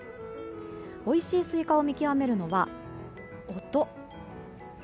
おいしいスイカを見極めるのは音。